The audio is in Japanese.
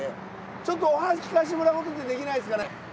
ちょっとお話聞かせてもらうことってできないですかね？